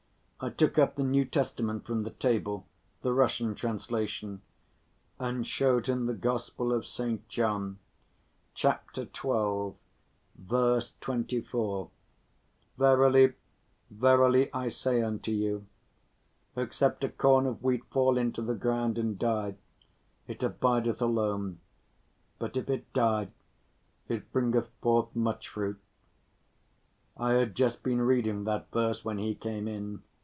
I took up the New Testament from the table, the Russian translation, and showed him the Gospel of St. John, chapter xii. verse 24: "Verily, verily, I say unto you, except a corn of wheat fall into the ground and die, it abideth alone: but if it die, it bringeth forth much fruit." I had just been reading that verse when he came in.